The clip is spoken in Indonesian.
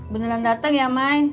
beneran dateng ya main